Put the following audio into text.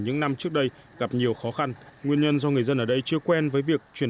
những năm trước đây gặp nhiều khó khăn nguyên nhân do người dân ở đây chưa quen với việc chuyển